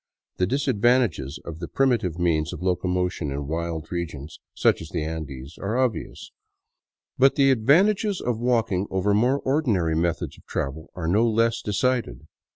The disadvantages of the primitive means of locomotion in wild regions, such as the Andes, are obvious. But A FOREWORD OF WARNING the advantages of walking over more ordinary methods of travel are no less decided.